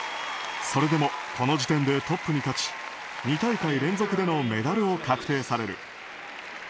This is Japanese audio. それでもこの時点でトップに立ち２大会連続でのメダルを確定させる。